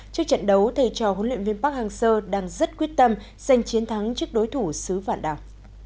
trước trận đấu thầy trò huấn luyện viên park hang seo đang rất quyết tâm giành chiến thắng trước đối thủ sứ vạn đạo